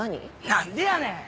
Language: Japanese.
何でやねん！